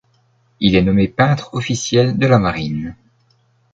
Il est nommé peintre officiel de la Marine.